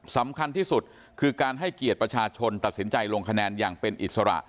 สำคัญที่สุดคือการให้เกียรติประชาชนตัดสินใจลงคะแนนอย่างเป็นอิสระ